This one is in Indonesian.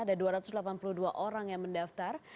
ada dua ratus delapan puluh dua orang yang mendaftar